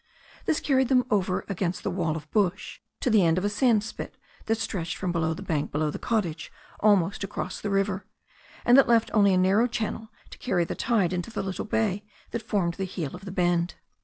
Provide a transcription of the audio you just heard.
This carried them over against the wall of bush to the end of a sand spit that stretched from the bank below the cottage almost across the river, and that left only a narrow channel to carry the tide into a little bay that formed the heel of the bend.